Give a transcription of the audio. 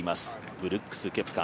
ブルックス・ケプカ。